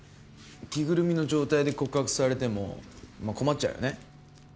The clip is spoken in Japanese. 着ぐるみの状態で告白されてもまあ困っちゃうよね。